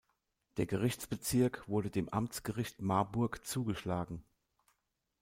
Der Gerichtsbezirk wurde dem Amtsgericht Marburg zugeschlagen.